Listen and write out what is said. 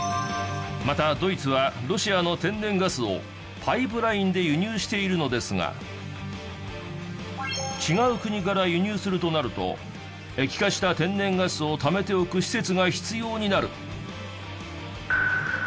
またドイツはロシアの天然ガスを違う国から輸入するとなると液化した天然ガスをためておく施設が必要になる。